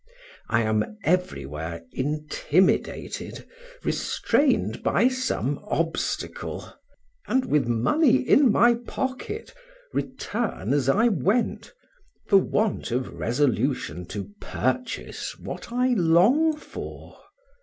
I am everywhere intimidated, restrained by some obstacle, and with money in my pocket return as I went, for want of resolution to purchase what I long for.